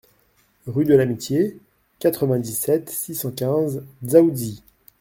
RUE DE L'AMITIE, quatre-vingt-dix-sept, six cent quinze Dzaoudzi